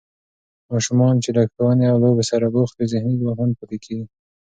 ماشومان چې له ښوونې او لوبو سره بوخت وي، ذهني ځواکمن پاتې کېږي.